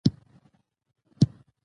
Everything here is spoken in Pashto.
د ستونزو سره مخ شوې دي.